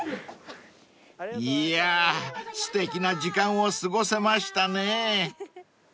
［いやあすてきな時間を過ごせましたね］